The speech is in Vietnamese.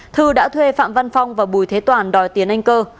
thư đã thuê phạm văn phong và bùi thế toàn đòi tiền anh cơ